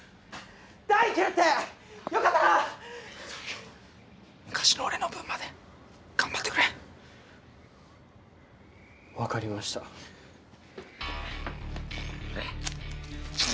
大行けるってよかったな昔の俺の分まで頑張ってくれ分かりましたほら立て！